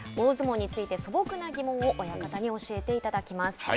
大相撲について素朴な疑問を親方に教えていただきます。